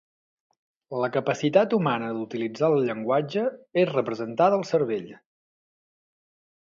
La capacitat humana d'utilitzar el llenguatge és representada al cervell.